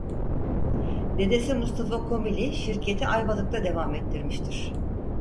Dedesi Mustafa Komili şirketi Ayvalık'ta devam ettirmiştir.